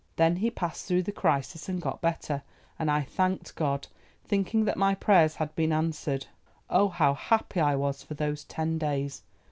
Then he passed through the crisis and got better, and I thanked God, thinking that my prayers had been answered; oh, how happy I was for those ten days!